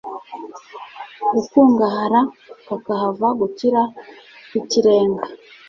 gukungahara kakahava gukira bw'ikirenga